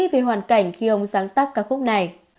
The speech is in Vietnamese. về hoàn cảnh khi ông sáng tác ca khúc này